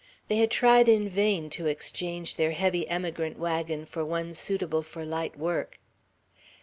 They had tried in vain to exchange their heavy emigrant wagon for one suitable for light work.